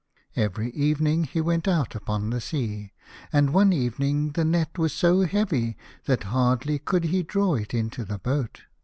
Every evening he went out upon the sea, and one evening the net was so heavy that hardly could he draw it into the boat.